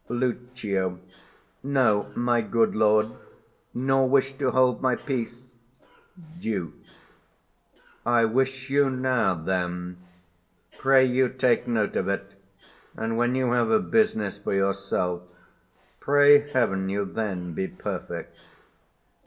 Lucio. No, my good lord; Nor wish'd to hold my peace. Duke. I wish you now, then; Pray you, take note of it: and when you have 80 A business for yourself, pray heaven you then Be perfect.